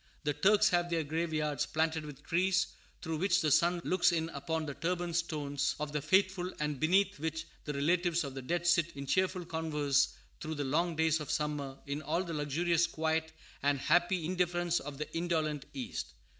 The Turks have their graveyards planted with trees, through which the sun looks in upon the turban stones of the faithful, and beneath which the relatives of the dead sit in cheerful converse through the long days of summer, in all the luxurious quiet and happy indifference of the indolent East.